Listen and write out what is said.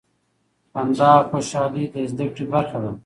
خندا او خوشحالي د زده کړې برخه ده.